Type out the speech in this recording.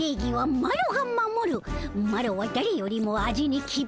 マロはだれよりも味にきびしいぞ。